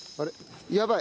やばい。